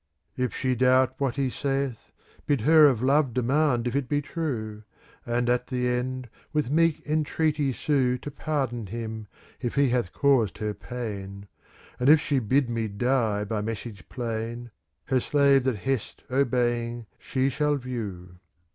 If she doubt what he saith, Bid her of Love demand if it be true ;^ And at the end with meek entreaty sue To pardon him, if he hath caused her pain; And if she bid me die by message plain. Her slave that hest obeying she shall view.